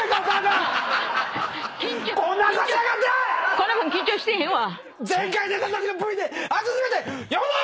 こんなもん緊張してへんわ。